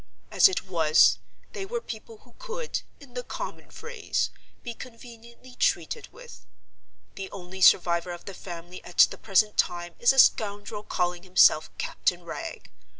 As it was, they were people who could (in the common phrase) be conveniently treated with. The only survivor of the family at the present time is a scoundrel calling himself Captain Wragge.